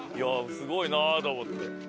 すごいなと思って。